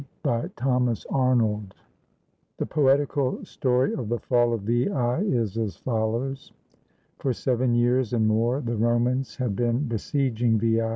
] BY THOMAS ARNOLD The poetical story of the fall of Veii is as follows: — For seven years and more the Romans had been besieging Veii.